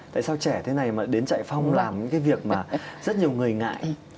tại sao trẻ thế này mà đến chạy phong làm những cái việc mà rất nhiều người ngại